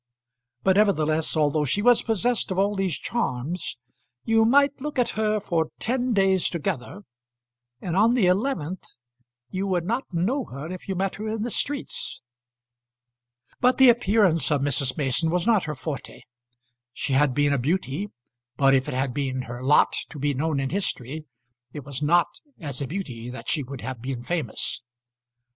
But, nevertheless, although she was possessed of all these charms, you might look at her for ten days together, and on the eleventh you would not know her if you met her in the streets. But the appearance of Mrs. Mason was not her forte. She had been a beauty; but if it had been her lot to be known in history, it was not as a beauty that she would have been famous.